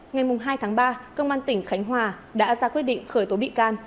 ngày hai tháng ba công an tỉnh khánh hòa đã ra quyết định khởi tố bị can